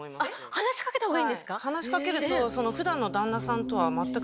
話しかけた方がいいんですか？